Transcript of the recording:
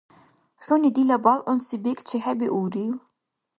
ХӀуни дила бялгӀунси бекӀ чехӀебиулрив?